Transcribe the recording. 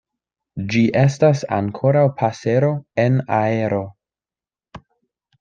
Ĝi estas ankoraŭ pasero en aero.